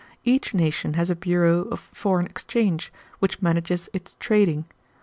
Each nation has a bureau of foreign exchange, which manages its trading.